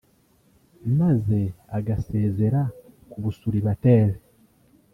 maze agasezera ku busulibatere